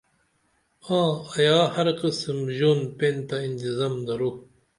آں، ایا ہر قِسم ژون پین تہ ِانتظم درو